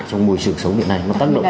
trong môi trường sống hiện nay